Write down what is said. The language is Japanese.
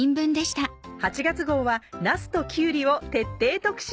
８月号はなすときゅうりを徹底特集！